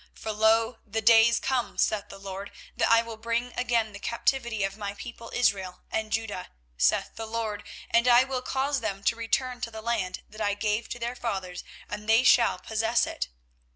24:030:003 For, lo, the days come, saith the LORD, that I will bring again the captivity of my people Israel and Judah, saith the LORD: and I will cause them to return to the land that I gave to their fathers, and they shall possess it.